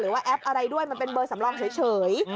แอปอะไรด้วยมันเป็นเบอร์สำรองเฉย